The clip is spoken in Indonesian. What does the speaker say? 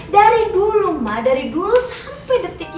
dari dulu ma dari dulu sampai detik ini